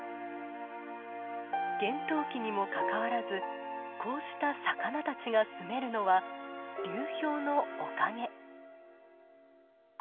厳冬期にもかかわらずこうした魚たちが住めるのは流氷のおかげ。